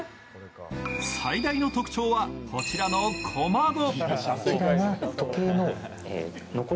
最大の特徴は、こちらの小窓。